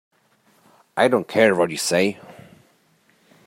I don't care what you say.